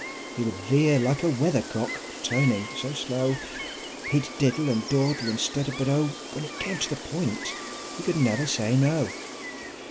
He would veer like a weather cock turning so slow; He'd diddle, and dawdle, and stutter, but oh! When it came to the point he could never say "No!"